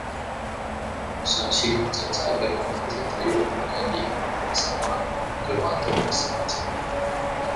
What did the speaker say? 上次同侄仔去何文田體育館嘅兒童遊戲室玩，佢玩到唔捨得走。